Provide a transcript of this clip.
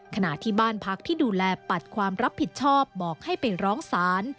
ขณะที่บ้านพักที่ดูแลปัดความรับผิดชอบบอกให้ไปร้องศาล